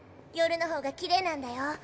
夜のほうがきれいなんだよ。